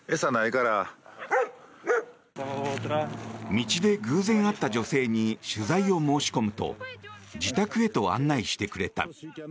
道で偶然会った女性に取材を申し込むと自宅へと案内してくれた。